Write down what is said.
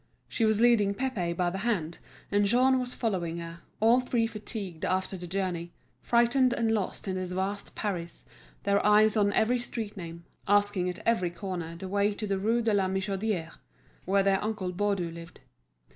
She was leading Pépé by the hand, and Jean was following her, all three fatigued after the journey, frightened and lost in this vast Paris, their eyes on every street name, asking at every corner the way to the Rue de la Michodière, where their uncle Baudu lived.